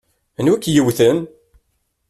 Anwa i k-yewwten?